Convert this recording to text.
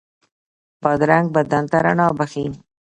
بادرنګ بدن ته رڼا بښي.